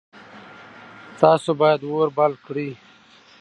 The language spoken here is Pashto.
تاسو باید اور بل کړئ.